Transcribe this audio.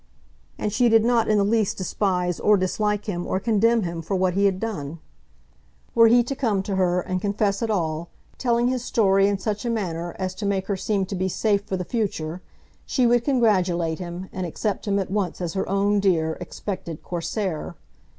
And she did not in the least despise or dislike him or condemn him for what he had done. Were he to come to her and confess it all, telling his story in such a manner as to make her seem to be safe for the future, she would congratulate him and accept him at once as her own dear, expected Corsair.